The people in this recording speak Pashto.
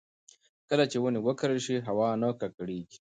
کله چې ونې وکرل شي، هوا نه ککړېږي.